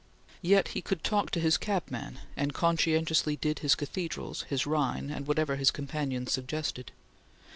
Yet he could talk to his cabman and conscientiously did his cathedrals, his Rhine, and whatever his companions suggested.